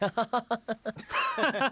ハハハハ。